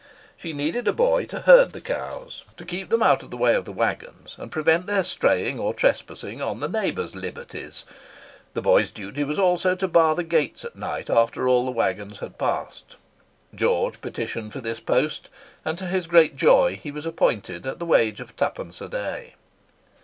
She needed a boy to herd the cows, to keep them out of the way of the waggons, and prevent their straying or trespassing on the neighbours' "liberties;" the boy's duty was also to bar the gates at night after all the waggons had passed. George petitioned for this post, and, to his great joy, he was appointed at the wage of twopence a day.